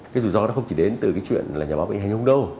cái rủi ro nó không chỉ đến từ cái chuyện là nhà báo bị hành hùng đâu